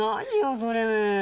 それ。